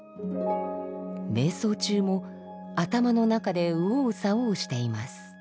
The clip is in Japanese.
瞑想中も頭の中で右往左往しています。